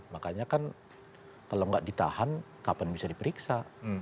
makanya kan kalau nggak ditahan kapan bisa diperiksa